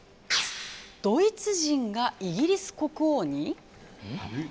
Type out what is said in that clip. ドイツ人がイギリス国王に？